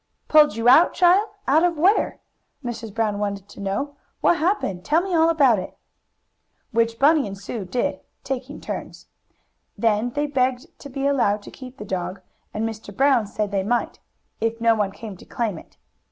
"Pulled you out, child? Out of where?" Mrs. Brown wanted to know. "What happened? Tell me all about it!" Which Bunny and Sue did, taking turns. Then they begged to be allowed to keep the dog, and Mr. Brown said they might, if no one came to claim it.